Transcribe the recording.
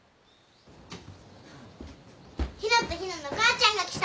陽菜と陽菜の母ちゃんが来た。